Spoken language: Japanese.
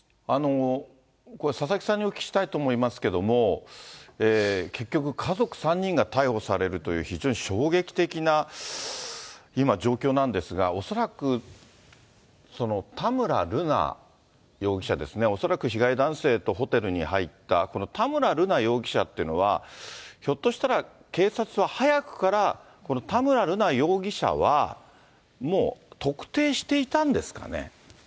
佐々木さんにお聞きしたいと思いますけれども、結局、家族３人が逮捕されるという、非常に衝撃的な今状況なんですが、恐らく、田村瑠奈容疑者ですね、恐らく被害男性とホテルに入ったこの田村瑠奈容疑者っていうのは、ひょっとしたら警察は早くから、この田村瑠奈容疑者はもう特定していたんですかね。